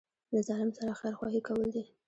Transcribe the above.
له ظالم سره خیرخواهي کول دي.